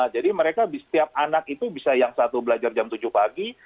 jadi mereka setiap anak itu bisa yang satu belajar jam tujuh pagi